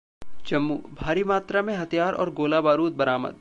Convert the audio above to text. जम्मूः भारी मात्रा में हथियार और गोला बारूद बरामद